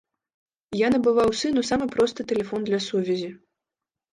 Я набываў сыну самы просты тэлефон для сувязі.